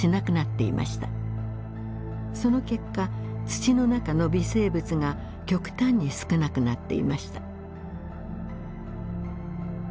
その結果土の中の微生物が極端に少なくなっていました。